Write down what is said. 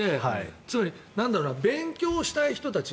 つまり、勉強したい人たち。